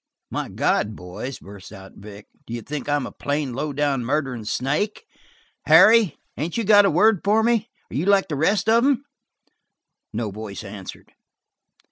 "My God, boys," burst out Vic, "d'you think I'm a plain, low down, murderin' snake? Harry, ain't you got a word for me? Are you like the rest of 'em?" No voice answered.